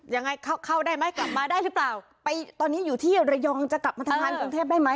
ยังไงเข้าเข้าได้ไหมกลับมาได้หรือเปล่าไปตอนนี้อยู่ที่ระยองจะกลับมาทำงานกรุงเทพได้ไหม